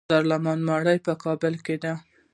د دارالامان ماڼۍ په کابل کې ده